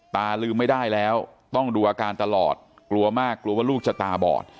ตาลืมไม่ได้แล้วต้องดูอาการตลอดกลัวมากกลัวว่าลูกจะตาบอด